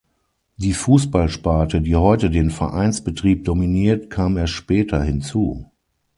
Die Fußballsparte, die heute den Vereinsbetrieb dominiert, kam erst später hinzu.